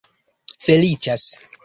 feliĉas